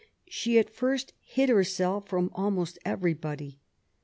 She at first hid herself from almost everybody.